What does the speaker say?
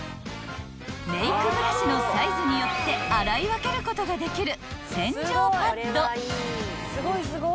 ［メイクブラシのサイズによって洗い分けることができる］